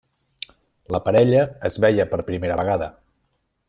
La parella es veia per primera vegada.